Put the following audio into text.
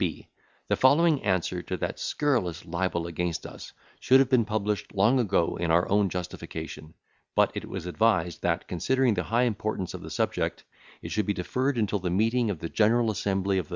B. The following answer to that scurrilous libel against us, should have been published long ago in our own justification: But it was advised, that, considering the high importance of the subject, it should be deferred until the meeting of the General Assembly of the Nation.